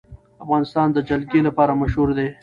افغانستان د جلګه لپاره مشهور دی.